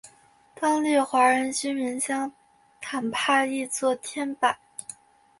当地华人居民将坦帕译作天柏。